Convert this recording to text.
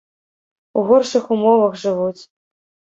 У горшых умовах жывуць.